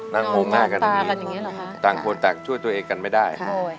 นั่งโหงหน้ากันตรงนี้ต่างคนแต่ช่วยตัวเองกันไม่ได้